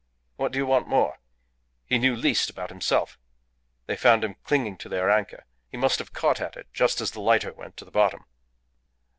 What do you want more? He knew least about himself. They found him clinging to their anchor. He must have caught at it just as the lighter went to the bottom."